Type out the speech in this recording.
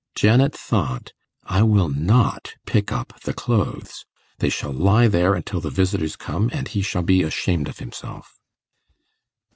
Janet thought, 'I will not pick up the clothes; they shall lie there until the visitors come, and he shall be ashamed of himself.